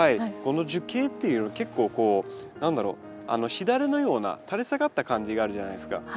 この樹形っていうの結構こう何だろうしだれのような垂れ下がった感じがあるじゃないですか。